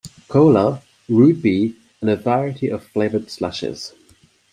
Cola, root beer and a variety of flavored slushes.